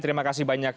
terima kasih banyak